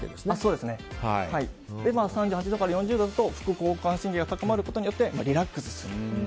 ３８度から４０度だと副交感神経が高まることによってリラックスする。